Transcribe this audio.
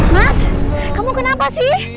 mas kamu kenapa sih